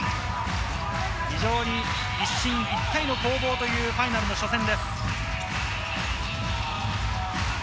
非常に一進一退の攻防というファイナルの初戦です。